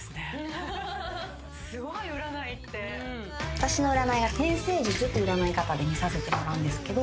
私の占いは天星術って占い方で見させてもらうんですけど。